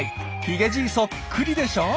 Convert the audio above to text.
ヒゲじいそっくりでしょ。